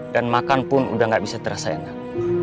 dan makan pun udah gak bisa terasa enak